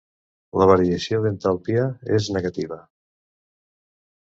La variació d'entalpia és negativa.